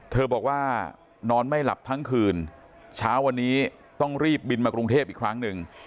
บอกว่านอนไม่หลับทั้งคืนเช้าวันนี้ต้องรีบบินมากรุงเทพอีกครั้งหนึ่ง